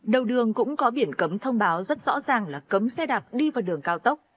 đầu đường cũng có biển cấm thông báo rất rõ ràng là cấm xe đạp đi vào đường cao tốc